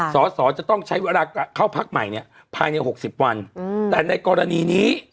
สอสอจะต้องใช้เวลาเข้าพักใหม่เนี่ยภายใน๖๐วันแต่ในกรณีนี้